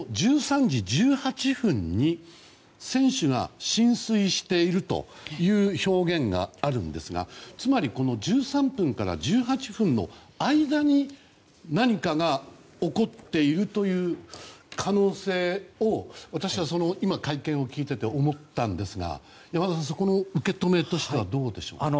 １３時１８分に船首が浸水しているという表現があるんですがこの１３分から１８分の間に何かが起こっているという可能性を私は今、会見を聞いていて思ったんですが山田さん、その受け止めとしてはどうでしょうか。